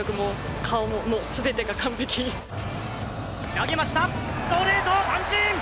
投げましたストレート三振！